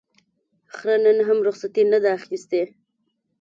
خره نن هم رخصتي نه ده اخیستې.